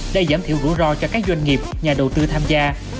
để giảm thiểu rủi ro cho các doanh nghiệp nhà đầu tư tham gia